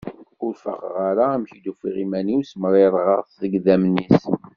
Ur faqeɣ ara amek i d-ufiɣ iman-iw ssemririɣeɣ-t deg yidammen-is.